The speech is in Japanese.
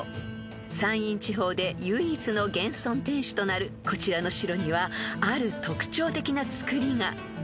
［山陰地方で唯一の現存天守となるこちらの城にはある特徴的な造りが］